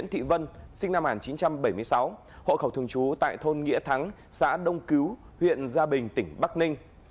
hộ khẩu thường trú tại thôn nghĩa thắng xã đông cứu huyện gia bình tỉnh bắc ninh